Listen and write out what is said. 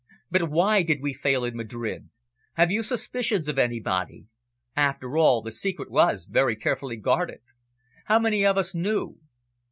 "But why did we fail in Madrid? Have you suspicions of anybody? After all, the secret was very carefully guarded. How many of us knew?"